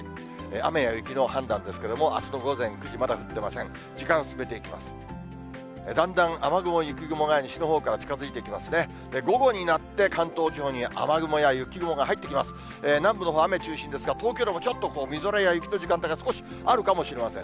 雨や雪の判断ですけれども、あすの午前９時まだ降っていません。